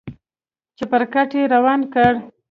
چپرکټ يې روان کړ.